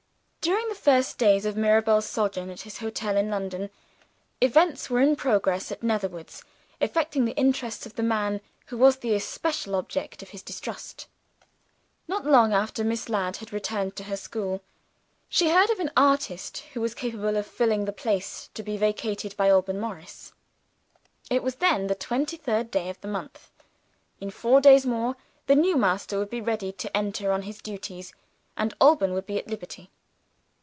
During the first days of Mirabel's sojourn at his hotel in London, events were in progress at Netherwoods, affecting the interests of the man who was the especial object of his distrust. Not long after Miss Ladd had returned to her school, she heard of an artist who was capable of filling the place to be vacated by Alban Morris. It was then the twenty third of the month. In four days more the new master would be ready to enter on his duties; and Alban would be at liberty.